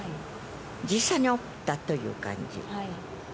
実際に起きたという感じ。